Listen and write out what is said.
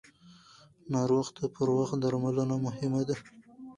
ناروغ ته پر وخت درملنه مهمه ده.